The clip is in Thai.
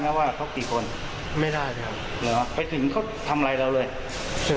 มีกระไหลคนไงคิดว่าหลายคนไหม